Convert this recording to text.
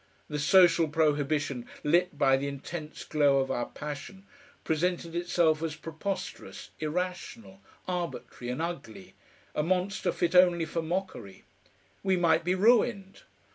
The social prohibition lit by the intense glow of our passion, presented itself as preposterous, irrational, arbitrary, and ugly, a monster fit only for mockery. We might be ruined!